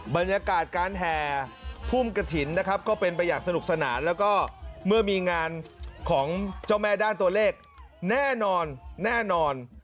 บรรยากาศการแห่พุ่มกระถิ่นนะครับก็เป็นไปอย่างสนุกสนานแล้วก็เมื่อมีงานของเจ้าแม่ด้านตัวเลขแน่นอนแน่นอน